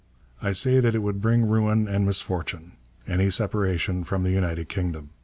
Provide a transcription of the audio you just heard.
I say that it would bring ruin and misfortune, any separation from the United Kingdom.